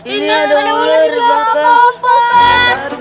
ini ada ularnya pakde